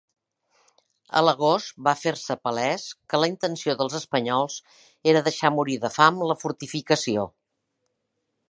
A l'agost, va fer-se palès que la intenció dels espanyols era deixar morir de fam la fortificació.